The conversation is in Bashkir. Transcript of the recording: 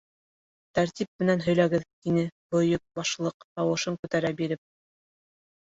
— Тәртип менән һөйләгеҙ, - тине Бойөк Башлыҡ, тауышын күтәрә биреп.